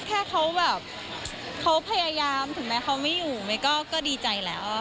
แค่เขาแบบเขาพยายามถึงแม้เขาไม่อยู่เมย์ก็ดีใจแล้ว